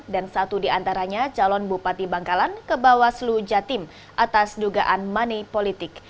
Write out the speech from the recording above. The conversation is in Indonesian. dan satu di antaranya calon bupati bangkalan ke bawaslu jatim atas dugaan money politik